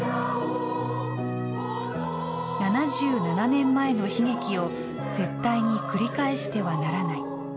７７年前の悲劇を絶対に繰り返してはならない。